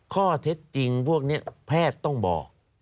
ข้อเท็จจริงพวกนี้แพทย์ต้องบอก